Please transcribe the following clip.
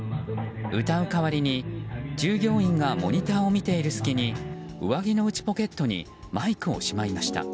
歌う代わりに、従業員がモニターを見ている隙に上着の内ポケットにマイクを仕舞いました。